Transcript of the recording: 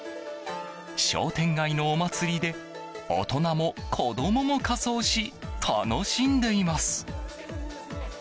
商店街のお祭りで大人も子供も仮装し楽しんでいます。